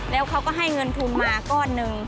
แล้วเขาก็ให้เงินทุนมาก้อนหนึ่ง